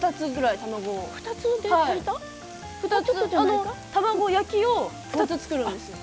あの卵焼きを２つ作るんですよ。